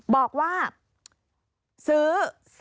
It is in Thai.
บอกว่าซื้อ๓๓๗๗๒๖